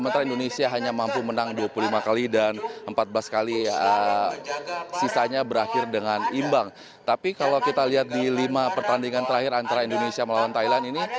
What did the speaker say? tapi kalau kita lihat di lima pertandingan terakhir antara indonesia melawan thailand ini